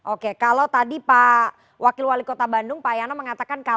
oke kalau tadi pak wakil wali kota bandung pak yana mengatakan